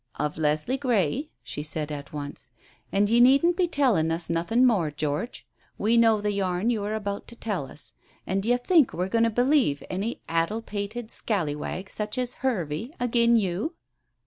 "Of Leslie Grey," she said at once. "And ye needn't to tell us nothin' more, George. We know the yarn you are about to tell us. An' d'ye think we're goin' to believe any addle pated scalliwag such as my Hervey, agin' you?